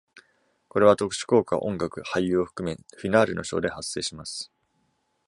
これは、特殊効果、音楽、俳優を含め、フィナーレのショーで発生します。